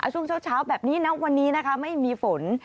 ช่วงเช้าแบบนี้ณวันนี้นะคะไม่มีฝน